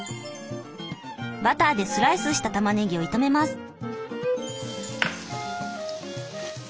バターでスライスしたたまねぎを炒めます。